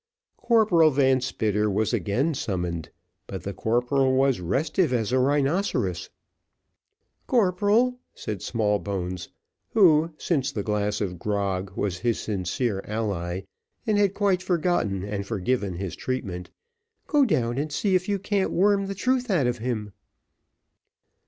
Corporal Van Spitter was again summoned, but the corporal was restive as a rhinoceros. "Corporal," said Smallbones, who, since the glass of grog, was his sincere ally, and had quite forgotten and forgiven his treatment, "go down and see if you can't worm the truth out of him."